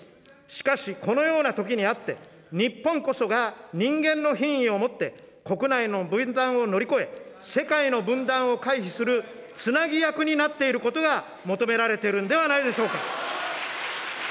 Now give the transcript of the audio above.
しかしこのようなときにあって、日本こそが人間の品位をもって、国内の分断を乗り越え、世界の分断を回避するつなぎ役になっていることが求められているんではないでしょうか。